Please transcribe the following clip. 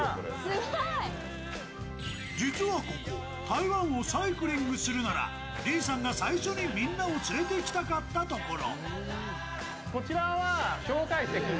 実はここ、台湾をサイクリングするなら、李さんが最初にみんなを連れていきたかったところ。